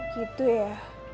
oh gitu ya